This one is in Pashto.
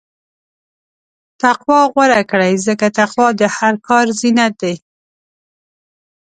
تقوی غوره کړه، ځکه تقوی د هر کار زینت دی.